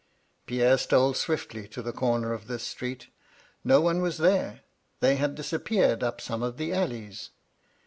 Pierre stole swiftly to the comer of this street ; no one was there : they had disappeared up some of the alleys.